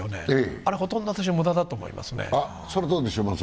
あれほとんど私は無駄だと思いますね。